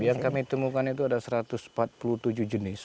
yang kami temukan itu ada satu ratus empat puluh tujuh jenis